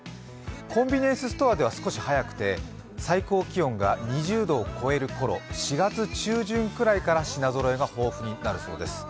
コンビニエンスストアでは少し早くて最高気温が２０度を超える頃、４月中旬くらいから品ぞろえが豊富になるそうです。